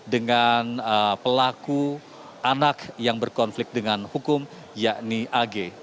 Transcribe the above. dengan pelaku anak yang berkonflik dengan hukum yakni ag